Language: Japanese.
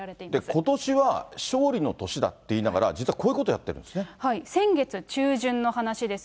ことしは勝利の年だって言いながら、実はこういうことをやっ先月中旬の話です。